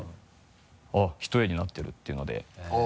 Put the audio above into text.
あっ一重になってるっていうのであぁ。